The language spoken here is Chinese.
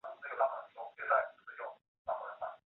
值得注意的是这两派是噶举传承最早创立的派别。